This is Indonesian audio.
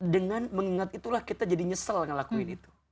dengan mengingat itulah kita jadi nyesel dengan lakuin itu